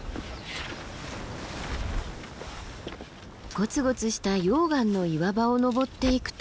ゴツゴツした溶岩の岩場を登っていくと。